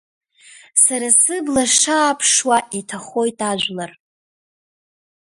Сара сыбла шааԥшуа иҭахоит ажәлар.